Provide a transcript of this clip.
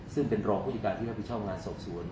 ซึ่งเป็นรองผู้จัดการพิชาบิชาวงานสอบสวน